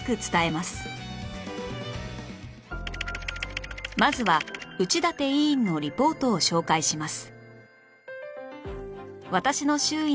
まずは内館委員のリポートを紹介します